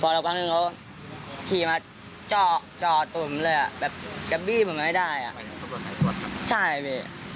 พอเราพักหนึ่งเขาขี่มาจอกจอดตุ๋มเลยอะแบบจะบีบเหมือนไม่ได้อะใช่พี่